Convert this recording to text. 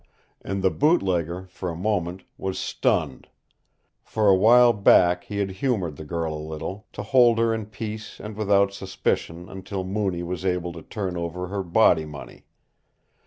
And the bootlegger, for a moment, was stunned, For a while back he had humored the girl a little, to hold her in peace and without suspicion until Mooney was able to turn over her body money.